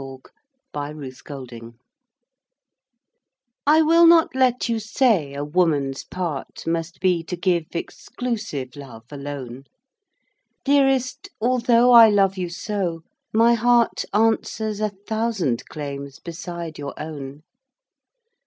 VERSE: A WOMAN'S ANSWER I will not let you say a Woman's part Must be to give exclusive love alone; Dearest, although I love you so, my heart Answers a thousand claims beside your own.